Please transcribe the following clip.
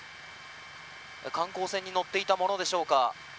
観光船にのっていたものでしょうか。